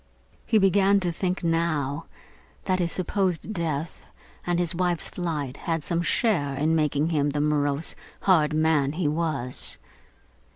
He began to think now, that his supposed death and his wife's flight had had some share in making him the morose, hard man he was.